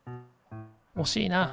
おしいな。